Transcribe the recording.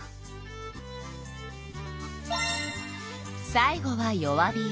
最後は弱火よ。